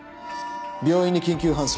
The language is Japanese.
病院に緊急搬送。